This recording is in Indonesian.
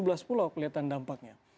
kalau tujuh belas pulau kelihatan dampaknya